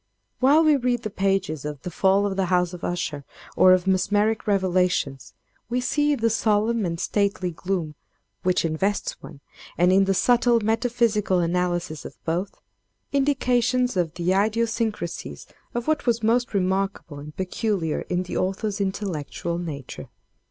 While we read the pages of the 'Fall of the House of Usher,' or of 'Mesmeric Revelations,' we see in the solemn and stately gloom which invests one, and in the subtle metaphysical analysis of both, indications of the idiosyncrasies of what was most remarkable and peculiar in the author's intellectual nature.